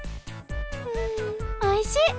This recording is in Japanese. うんおいしい！